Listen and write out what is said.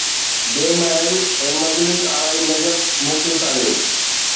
بي محل، اي مجلس آرائي نجف! مون کي ساڙيو